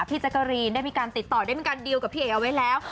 แจ๊กกะรีนได้มีการติดต่อได้มีการดีลกับพี่เอกเอาไว้แล้ว